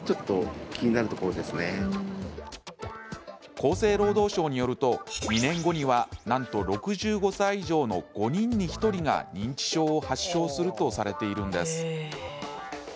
厚生労働省によると２年後にはなんと６５歳以上の５人に１人が認知症を発症するとされているんです。